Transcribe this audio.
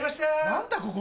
何だここ。